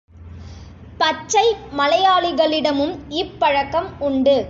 பச்சை மலையாளிகளிடமும் இப் பழக்கம் உண்டு.